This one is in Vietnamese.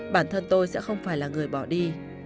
bản thân tôi sẽ không phải là người bỏ đi